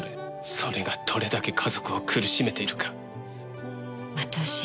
それがどれだけ家族を苦しめているか。